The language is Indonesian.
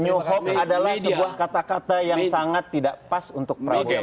new hong adalah sebuah kata kata yang sangat tidak pas untuk prabowo subianto